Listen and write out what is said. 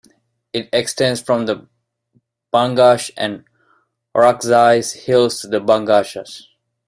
It extends from the Bangash and Orakzai hills to the Bangashs.